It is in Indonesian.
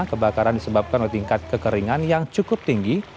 kebakaran disebabkan oleh tingkat kekeringan yang cukup tinggi